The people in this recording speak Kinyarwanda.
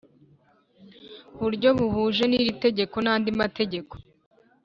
Buryo buhuje n iri tegeko n andi mategeko